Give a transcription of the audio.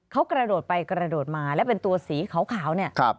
เขากระโดดไปกระโดดมาและเป็นตัวสีขาวเนี่ย